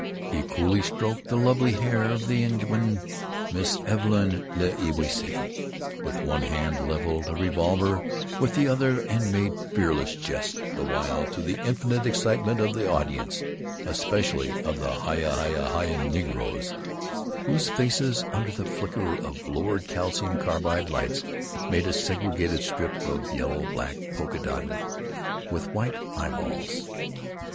He coolly stroked the lovely hair of the ingénue, Miss Evelyn L'Ewysse, with one hand, leveled a revolver with the other, and made fearless jests the while, to the infinite excitement of the audience, especially of the hyah hyah hyahing negroes, whose faces, under the flicker of lowered calcium carbide lights, made a segregated strip of yellow black polka dotted with white eye balls.